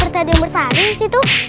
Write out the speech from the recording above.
seperti ada yang bertarung sih